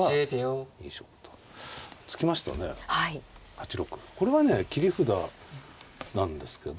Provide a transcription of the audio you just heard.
８六歩これはね切り札なんですけど